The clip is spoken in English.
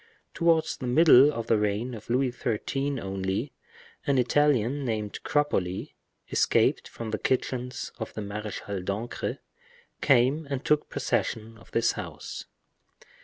Towards the middle of the reign of Louis XIII. only, an Italian named Cropoli, escaped from the kitchens of the Marechal d'Ancre, came and took possession of this house.